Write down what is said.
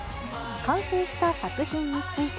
完成した作品について。